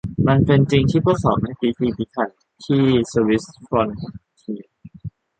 มันเป็นจริงที่พวกเขาไม่พิถีพิถันที่สวิส ฟรอนเทียร์